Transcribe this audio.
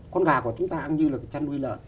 con gà của chúng ta như là chăn nuôi lợn